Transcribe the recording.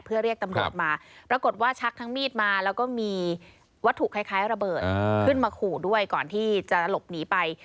เพื่อเรียกตำรวจมาปรากฏว่าชักทั้งมีดมาแล้วก็มีวัตถุคล้ายระเบิดขึ้นมาขู่ด้วยก่อนที่จะหลบหนีไป